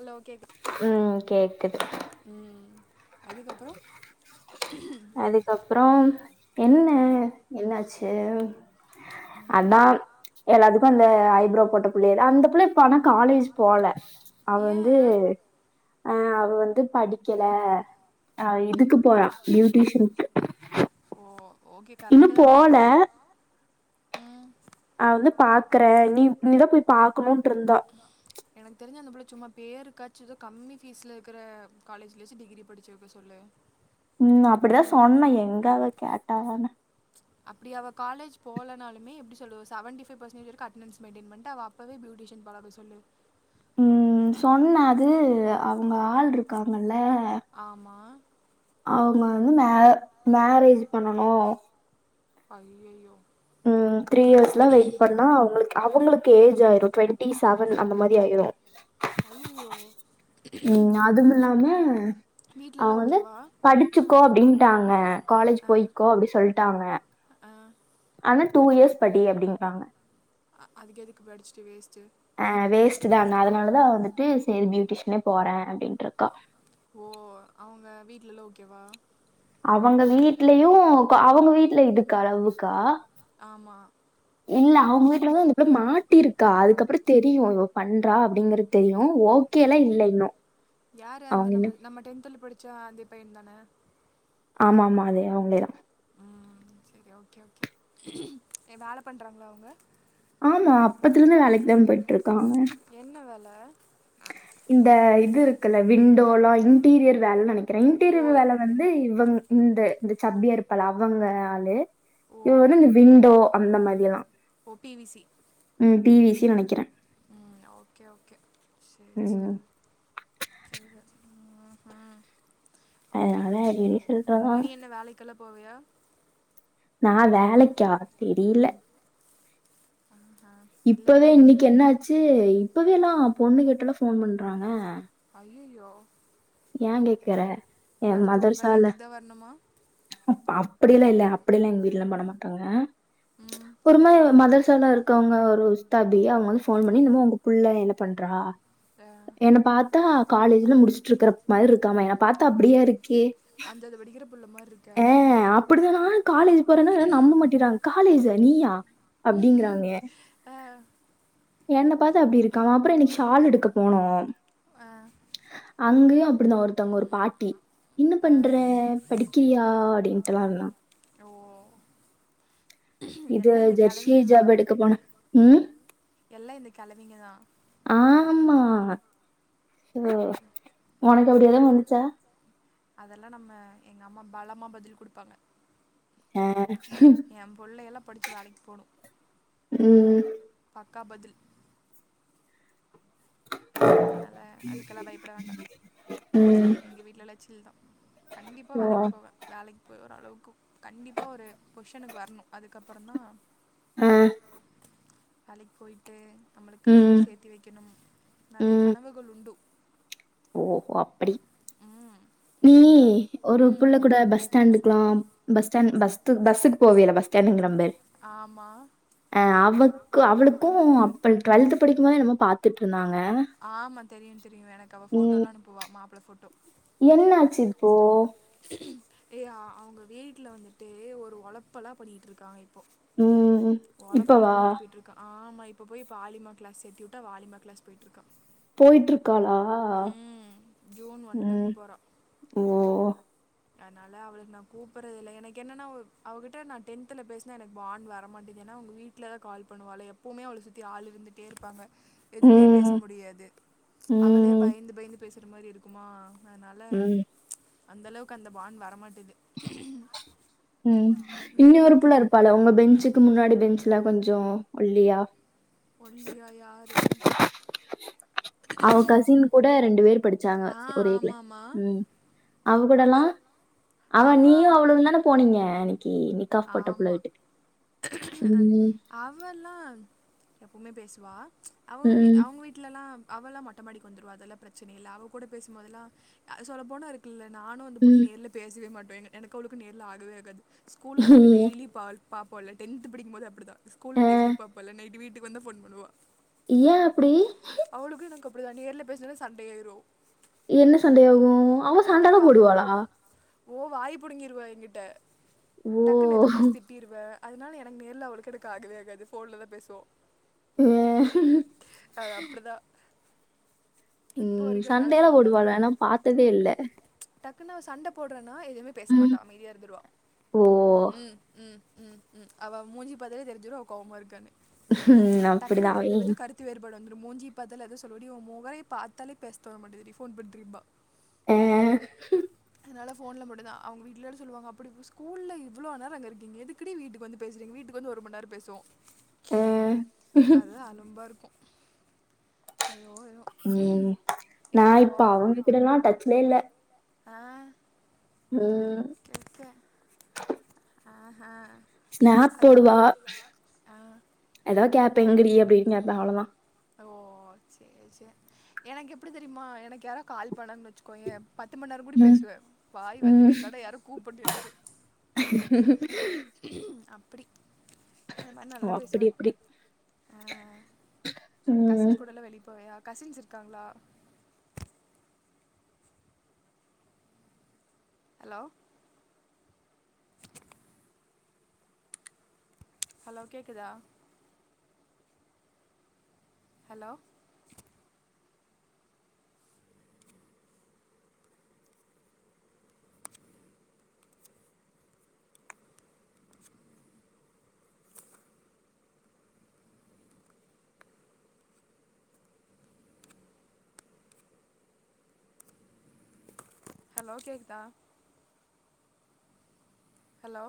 எல்லா ஓகே தா ம் கேக்குது ம் அதுக்கப்றோ அதுக்கப்றோ என்ன அ என்னாச்சு அதா எல்லாத்துக்கு அந்த ஐ ப்ரோ போட்ட புள்ளய த அந்த புள்ள இப்ப ஆனா காலேஜ் போல அவ ஏ வந்து அ அவ வந்து படிக்கல அ இதுக்கு போறா பியூட்டிஷ்யனுக்கு ஓ ஓகே கரெக்ட் தா போல அவளுக்கு ம் அ வந்து பாக்கற நீ நீதா போய் பாக்கணுன்ருந்தா எனக்கு தெரிஞ்சி அந்தபுள்ள சும்மா பேருக்காச்சு எதோ கம்மி ஃபீஸில இருக்கற காலேஜிலச்சு டிகிரி படிச்சு வக்க சொல்லு ம் அப்டிதா சொன்ன எங்க அவ கேட்டாதான அப்டி அவ காலேஜ் போலனாலுமே எப்டி சொல்றது ஒரு செவன்டி ஃபைவ் ஃபர்சன்டேஜ் வரிக்கு அட்னன்ஸ் மெயின்டென் பண்டு அவ இப்பவே பியூட்டிஷன் பழக சொல்லு ம் சொன்ன அது அவங்க ஆள் இருக்காங்கல்ல ஆமா அவுங்க வந்து மே மேரேஜ் பண்ணணு அய்யயோ ம் த்ரீ இயர்ஸ்ல வெயிட் அப்பனா உங்களுக்கு அவங்களுக்கு ஏஜ் ஆயிரு டுவெண்டி செவன் அந்த மாரி ஆயிரு அய்யய்யோ ம் அதுமில்லாம வீட்லலா அவங்க வந்து ஓகேவா படிச்சுக்கோ அப்டின்ட்டாங்க காலேஜ் ஆ போய்கோ அப்டி சொல்ட்டாங்க ஆ ஆனா டூ இயர்ஸ் படி அப்டின்டாங்க அதுக்கு எதுக்கு படிச்சுட்டு வேஸ்ட்டு ஆ வேஸ்ட்தா ந அதனால தா வந்துட்டு சேரி பியூட்டிஷனே போற அப்டின்ட்ருக்கா ஓ அவங்க வீட்லலா ஓகேவா அவுங்க வீட்லயு அவங்க வீட்ல இதுக்கு அளவுக்கா ஆமா இல்ல அவுங்க வீட்ல தா இந்த புள்ள மாட்டிருக்கா அதுக்கப்றோ தெரியு இவ பண்றா அப்டிங்கற தெரியு ஓ ஓ யாரு அந்த நம்ம இன்னும் நம்ம டென்த்தல படிச்ச அந்த பைய தான ஆமா ஆமா அதே அவுங்ளேதா ம் சரி ஓகே ஓகே எ வேல பண்றாங்களா அவுங்க ஆமா அப்பத்துலருந்து வேலைக்கு தா போய்ட்ருக்காங்க என்ன வேல இந்த இது இருக்குல்ல விண்டோல்லா இன்டீரியர் வேல நெனக்கிற ஓ! இன்டீரியர் வேல வந் இது இவங் இந்த இந்த சப்பியா இருப்பால்ல அவங்க ஆளு ஓ! இவ வந்து விண்டோ அந்த மாரியெல்லா ஓ பி வி சி ம் பி வி சி நெனக்கிற ம் ஓகே ஓகே சேரி சேரி ம். தெரில ம்ஹூ அப்டி அதனால அடிக்கடி சொல்றதான். நீ என்ன வேலைக்கெல்லா போவியா நா வேலைக்கா தெரில ஆ ஆ இப்பவே இன்னைக்கு என்ன ஆச்சி இப்பவே எல்லா பொண்ணுகிட்டல்லா ஃபோன் பண்றா அவ அய்யய்யோ ஏ கேக்குற அடுத்து ஓங் கல்யாணத்துக்கு தா வர்ணுமா அ அப்டியெல்லா இல்ல அப்டிய எல்லா எங்க வீட்லல்லா பண்ணமாட்டாங்க ம். ஒருமார மதர் சாலா இருக் காங்க ஒரு உஸ்தாபி அவுங்க வந்து ஃபோன் பண்ணி என்னமோ உங்க புள்ள என்ன பண்றா அ என்ன பாத்தா காலேஜ்ல முடிச்சிட்டு இருக்கற மாரி இருக்காம என்ன பாத்தா அப்டியா இருக்கு அஞ்சாது படிக்கிற புள்ள மார்ருக் ஏ அப்டிதா நானு காலேஜ் போறேன்னா வே நம்ப மாட்டிறா காலேஜ்ஜா நீயா அப்டிங்கறாங்க ஆ என்ன பாத்தா அப்டி இருக்கா அப்றோ இன்னைக்கு ஷால் எடுக்க போனோ ஆ அங்கையு அப்டிதா ஒருத்தங்க ஒரு பாட்டி என்ன ஆ பண்ற படிக்கிறியா அப்டின்ட்டுல்லா இருந்தா ஓ இது எல்லா இந்த ஜெர்சி கெழவிங்க தா ஜாப் எடுக்க போனே ம் எல்லா இந்த கெழவிங்க தா ஆமா ஒ உனக்கு அப்டி எதா வந்துச்சா அதெல்லா நம்ம எங்க அம்மா பலமா பதில் குடுப்பாங்க ஏ எம் புள்ளையெல்லா படிச்சி வேலைக் போணு ம். பக்கா பதில் அனால அதுக்கெல்லா பயப்பட வேண்டா ம். எங்க வீட்ல எல்லா சில் தா கண்டிப்பா ஓ வேலைக்கு போவே வேலைக் போய் ஓரளவுக்கு கண்டிப்பா ஒரு பொஷ்ஷன்க்கு வரணு அதுக்கப்பறந்தா ஆ வேலைக்கு போயிட்டு நம்மளுக்குன்னு எதோ ம் சேத்தி வெய்க்கணும் நெறைய கனவுகள் உண்டு ஓ அப்டி ம் நீ அதனால ஒரு ம் புள்ள கூட பஸ் ஸ்டாண்டுக்கலாம் பஸ் ஸ்டாண்ட் பஸ்த் பஸ்க்கு போவியல்ல பஸ் ஸாண்ட்ங்கிற பாரு ஆமா அ அவுக் அவுளுக்கு அப்பல் டுவெல்த் படிக்கும்போது என்னமோ பாத்துட்ருந்தாங்க ஆமா தெரியு தெரியு எனக்கு அவ ஃபோட்டோலா அனுப்புவ மாப்புள ஃபோட்டோ என்னாச்சி இப்போ ஏ அவுங்க வீட்ல வந்துட்டு ஒரு ஒழப்பல்லா பண்ணிட்ருக்காங்க இப்போ ம் ஒழப்பு இப்பவா ஒழப்புன்னு ஒழப்பிட்ரு க்கா ஆம்மா இப்போ போய் ஆலிமா க்ளாஸ் சேத்தி உட்டா அவ ஆலிமா க்ளாஸ் போயிட்ருக்கா போயிட்ருக்காளா ம் ஜூன் ம் ஒன்லருந்து ஓ அனால அவளுக்கு நா கூப்பறதில்ல எனக்கென்னன்னா அவ அவகிட்ட நா டென்துல பேசினா எனக் பாண்ட் வர மாட்டிக்கேனா அவுங் வீட் ல கால் பண்ணுவாளே எப்போமே அவள சுத்தி ஆள் இருந்துட்டே இருப்பாங்க எதுமே பேச ம் முடியாது அவளே ம் பய்ந்து பய்ந்து பேசுற மாரி இருக்குமா அத்னால் ம் அந்தளவுக்கு அந்த பாண்ட் வரமாட்டுது ம் இன்னி வீடு ஒரு பக்கி புள்ள இரு ப்பால உங்க பெஞ்சுக்கு முன்னாடி பெஞ்சுலா கொஞ்சோ ஒல்லியா ஒல்லியா யாரு அவ கசின் கூட ரெண்டு வேர் படிச்சாங்க ஆ ஒரே க்ள ஆமாம்மா ம் அவ கூடல்லா அவ நீயு அவளுந்தான போனீங்க அன்னிக்கி நெ க்காஃப் போட்ட ஆமா பிளேட்டு ம் அவல்லா எப்பவ்மே பேசுவா அவுங் வீ ம் அவுங் வீட்லல்லா அவல்லா மொட்டமாடிக் வந்துருவா அதெல்லா பிரச்சனையில்ல அவ கூட பேசுமோதெல்லா அ சொல்ல போனா இரு க்குல்ல நானு அந்த பொண்ணு நேர்ல பேசவே மாட்டோ எனு எனக்கு அவளுக்கு நேர்ல ஆகவே ஆகாது ஸ்கூல்ல நாங்க ம் டெய்லியு பால் பாப்போல்ல டென்த்து படிக்கும்போது அப்பிடிதா இது ஸ்கூல்ல அ டெய்லியு பாப்போல்ல நைட்டு வீட்டுக் வந் தா ஃபோன் பண்ணுவா ஏ அப்பிடி அவளுக்கு எனக்கு அப்டிதா நேர்ல பேஸ்னாலே சண்டை ஆய்ரு என்ன சண்டையாகு அவ டக்குன்னு சண்டல்லா வா போடுவாளா ஓ வாய் புடுங்கிருவா எங்கிட்ட ஓ டக்குனு எதோ புடிச் திட் டீர்வே அதுனால எனக் நேர்ல அவுளுக் எனக் ஆகவே ஆகாது ஃபோன்ல தா பேசுவோ ஏ அது அப்பிடிதா ம் சண்டைலா போடுவாளா நா பாத்ததே இல்ல டக்குனு அவ சண்ட போட்றன்னா எதுமே பேச ம் மாட்டா அமைதியா இருந்துருவா ஓ ம் ம் ம் ம் அவ மூஞ்சி பாத்தாலே தெரிஞ்சிரு அவ கோவ்மா இருக்கானு ம் டக்கு அப்டிதா எங்க அவே ரெண்டு பேத்துக் கருத் து வேறுபாடு வந்துரு மூஞ்சிய பாத்தாலே அதா சொல்லுவா டி உ மொகறய பாத்தாலே பேஸ் தோண மாட்டிக்கிதுடி ஃபோன் பண்றீம்பா ஹ்ஹ் அதுனால ஃபோன்ல மட்டுந்தா அ அவுங் வீட்லோட சொல்லுவாங்க அப்டி இப்டி ஸ்கூல்ல இவ்ளோ நேரோ அங்கருக்கீங்க எதுக் குடி வீட்டுக் வந்து பேசறீங்க வீட்டுக் வந்து ஒரு மண் நேரோ பேசுவோ அ அதா அலும்பாருக்கு ம் நா இப்ப இப்போது அவுங்க கூடல்லா டச்லே இல்ல ஆ ம் பெர்சா ஆ ஆ அதா ஆ எதாத் கேப்ப எங்கடி அப்டின் கேப்ப அவ்ள தா ஓ சேரி சேரி எனக் எப்டி தெரியுமா எனக்கு யாரா கால் பண்ணாங்ன் வெச்சுக்கோயே பத்து மண் நேரங்கூடி ம். பேசுவே வாய் வந்துட்டே ம். இருக்கு ஆனா யாரு கூப்பட்ணு எனக்கு அப்பிடி அந்த மார் ஓ! நல்லா அப்படி பேசுவே அப்படி. ஆ ம். கசின்ஸ் கூடல்லா வெளிய போவயா கசின்ஸ் இருக்காங்ளா அலோ ஹலோ கேக்குதா ஹலோ ஹலோ கேக்குதா ஹலோ